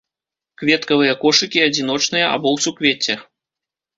Кветкавыя кошыкі адзіночныя або ў суквеццях.